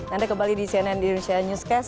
anda kembali di cnn indonesia newscast